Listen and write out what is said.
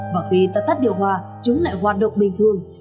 và khi ta tắt điều hòa chúng lại hoạt động bình thường